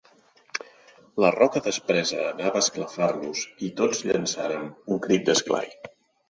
La roca despresa anava a esclafar-los i tots llançàrem un crit d'esglai.